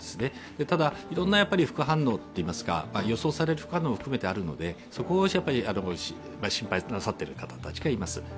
ただ、いろんな副反応といいますか予想されるものもあるのでそこを心配なさっている方たちがいます。